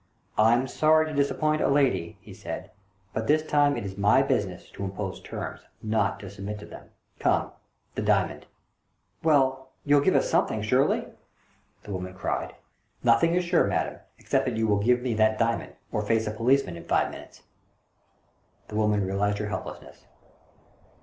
"I am sorry to disappoint a lady," he said, " but this time it is my business to impose terms, not to submit to them. Come, the diamond !" "Well, you'll give us something, surely?" the woman cried. CASE OF TEE ''MIRROR OF PORTUGAL" 147 " Nothing is sure, madam, except that you will give me that diamond, or face a policeman in five minutes !" The woman realised her helplessness.